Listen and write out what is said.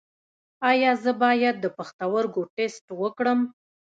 ایا زه باید د پښتورګو ټسټ وکړم؟